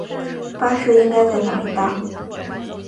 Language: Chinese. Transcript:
巴士应该在哪里搭？